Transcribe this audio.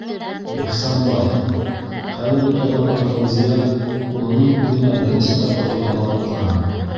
Ихсанбай, - хәле бөтә барған Фәүзиә улының күҙенә беренсе тапҡыр ялбарып ҡараны.